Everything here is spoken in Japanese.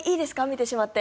見てしまって。